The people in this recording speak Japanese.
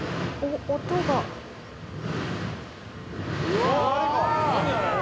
うわ！